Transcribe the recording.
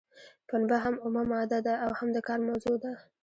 پنبه هم اومه ماده ده او هم د کار موضوع ده.